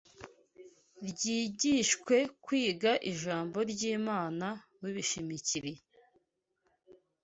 rwigishwe kwiga Ijambo ry’Imana rubishimikiriye